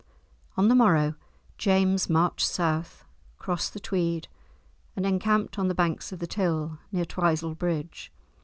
On the morrow, James marched south, crossed the Tweed, and encamped on the banks of the Till, near Twisel Bridge.